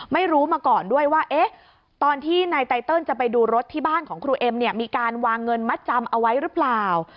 ไม่รู้มาก่อนด้วยว่าตอนที่นายไตเติลจะไปดูรถที่บ้านของครูเอ็มเนี่ยมีการวางเงินมัดจำเอาไว้หรือเปล่า